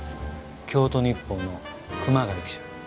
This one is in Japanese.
京都日報の熊谷記者。